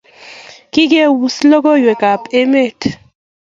Kigeus logoiywekab emet